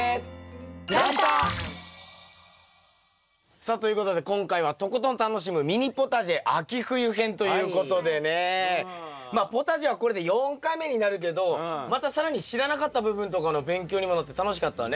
さあということで今回は「とことん楽しむミニポタジェ秋冬編」ということでねまあポタジェはこれで４回目になるけどまた更に知らなかった部分とかの勉強にもなって楽しかったね。